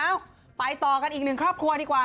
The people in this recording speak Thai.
ไปต่อกันอีกหนึ่งครอบครัวดีกว่า